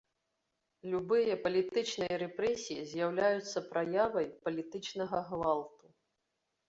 Любыя палітычныя рэпрэсіі з'яўляюцца праявай палітычнага гвалту.